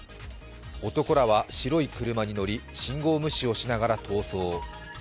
男らは白い車に乗り信号無視をしながら逃走。